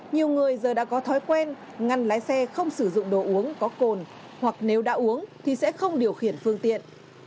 nhiều người giờ đã có thói quen ngăn lái xe không sử dụng đồ uống có cồn hoặc nếu đã uống thì sẽ không điều khiển phương tiện